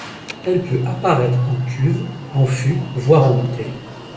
Elle peut apparaître en cuve, en fût, voire en bouteille.